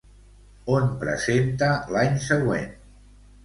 On presenta l'any següent?